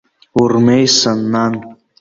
Урмеисан, нан.